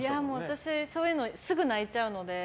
私、そういうのすぐ泣いちゃうので。